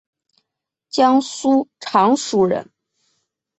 江苏常熟人。